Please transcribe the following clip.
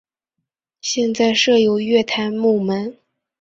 现在设有月台幕门。